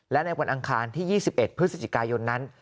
และในวันอังคารที่๒๑พฤศจิกายนนั้น